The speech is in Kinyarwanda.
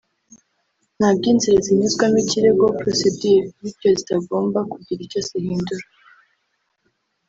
nta by’inzira zinyuzwamo ikirego [procedure] bityo zitagomba kugira icyo zihindura